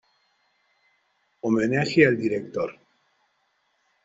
Homenaje al Dir.